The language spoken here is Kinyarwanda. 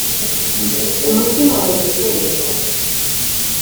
Umutima mu gitereko